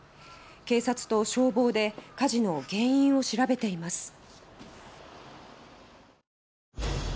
警察と消防で火事の原因を調べています。